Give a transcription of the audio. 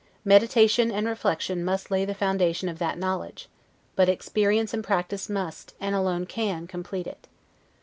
Meditation and reflection must lay the foundation of that knowledge: but experience and practice must, and alone can, complete it.